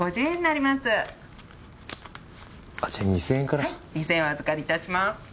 ２，０００円お預かりいたします。